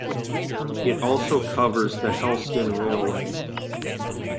It also covers the Helston Railway.